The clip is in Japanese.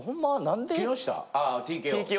ああＴＫＯ。